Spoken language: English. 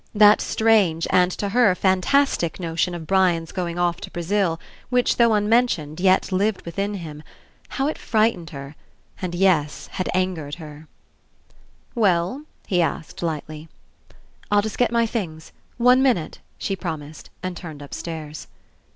That strange, and to her fantastic, notion of Brian's of going off to Brazil, which, though unmentioned, yet lived within him; how it frightened her, and — yes, angered her I "Well?" he asked lightly. "I'll just get my things. One minute," she promised and turned upstairs.